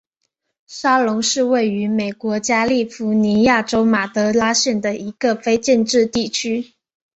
沙龙是位于美国加利福尼亚州马德拉县的一个非建制地区。